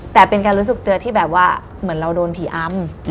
แต่เป็นการรู้สึกเตอร์ที่เหมือนเราโดนผีอ้ำ